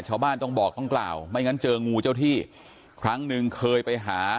ชาวบ้านต้องบอกต้องกล่าวไม่งั้นเจองูเจ้าที่ครั้งหนึ่งเคยไปหา